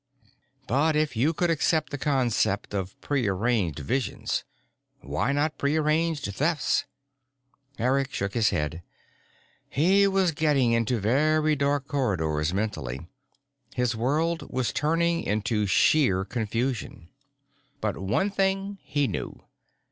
But if you could accept the concept of pre arranged visions, why not pre arranged Thefts? Eric shook his head. He was getting into very dark corridors mentally: his world was turning into sheer confusion. But one thing he knew.